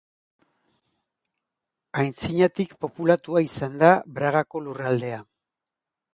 Aintzinatik populatua izan da Bragako lurraldea.